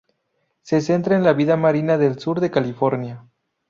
Se centra en la vida marina del sur de California.